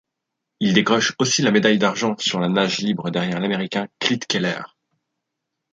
Il décroche aussi la médaille d'argent sur le nage libre derrière l'Américain Klete Keller.